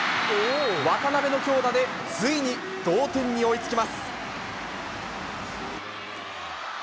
渡邊の強打でついに同点に追いつきます。